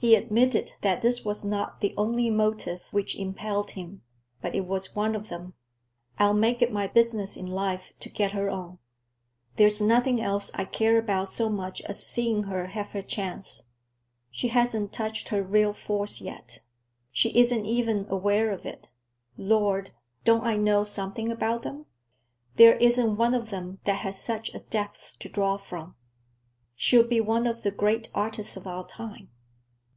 He admitted that this was not the only motive which impelled him, but it was one of them. "I'll make it my business in life to get her on. There's nothing else I care about so much as seeing her have her chance. She hasn't touched her real force yet. She isn't even aware of it. Lord, don't I know something about them? There isn't one of them that has such a depth to draw from. She'll be one of the great artists of our time.